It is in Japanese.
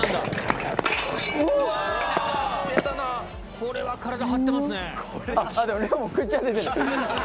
これは体張ってますね！